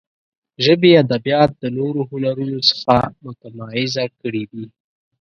ژبې ادبیات د نورو هنرونو څخه متمایزه کړي دي.